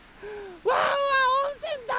ワンワンおんせんだいすき！